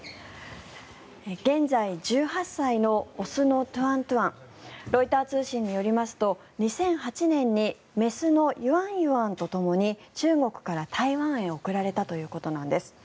現在１８歳の雄のトゥアン・トゥアンロイター通信によりますと２００８年に雌のユアン・ユアンとともに中国から台湾へ贈られたということなんです。